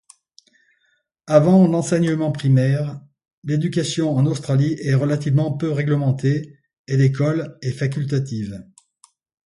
Avant l'enseignement primaire, l'éducation en Australie est relativement peu réglementée et l'école est facultative.